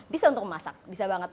bisa untuk memasak bisa banget